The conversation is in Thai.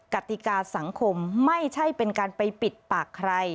กติกาสังคมไม่ใช่เป็นการไปปิดปากใคร